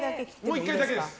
もう１回だけです。